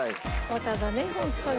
バカだねホントに。